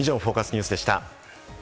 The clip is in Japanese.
ニュースでした。